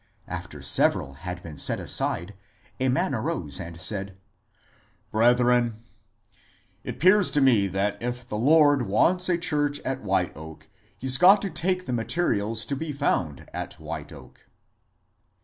After several had been set aside, a man arose and. said, '* Brethren, it 'pears to me that ef the Lord wants a church at White Oak, he 's got to take the materials to be found at White Oak."